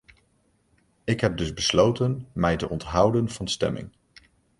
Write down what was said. Ik heb dus besloten mij te onthouden van stemming.